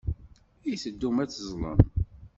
I teddum ad teẓẓlem?